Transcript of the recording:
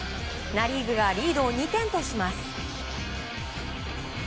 ナ・リーグがリードを２点とします。